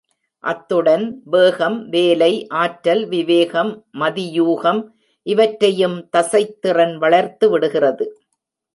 அத்துடன், வேகம், வேலை ஆற்றல், விவேகம், மதியூகம் இவற்றையும் தசைத்திறன் வளர்த்து விடுகிறது.